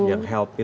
yang help itu ya